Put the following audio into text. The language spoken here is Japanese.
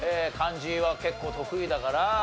漢字は結構得意だから。